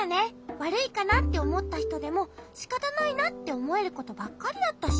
わるいかなっておもったひとでもしかたないなっておもえることばっかりだったし。